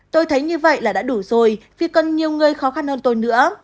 tôi thấy như vậy là đã đủ rồi vì còn nhiều người khó khăn hơn tôi nữa